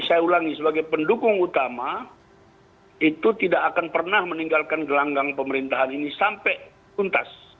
saya ulangi sebagai pendukung utama itu tidak akan pernah meninggalkan gelanggang pemerintahan ini sampai tuntas